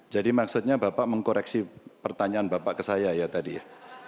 jadi maksudnya bapak mengkoreksi pertanyaan bapak ke saya ya tadi ya